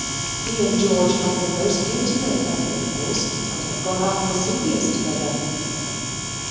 He and George had been most intimate at Naples and had gone up Vesuvius together.